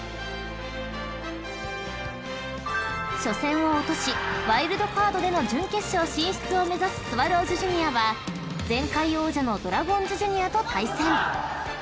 ［初戦を落としワイルドカードでの準決勝進出を目指すスワローズジュニアは前回王者のドラゴンズジュニアと対戦］